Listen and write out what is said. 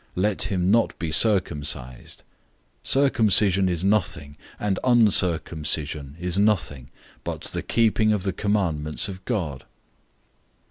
Let him not be circumcised. 007:019 Circumcision is nothing, and uncircumcision is nothing, but the keeping of the commandments of God.